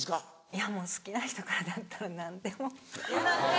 いやもう好きな人からだったら何でも。